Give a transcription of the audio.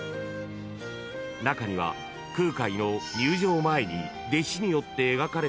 ［中には空海の入定前に弟子によって描かれたという］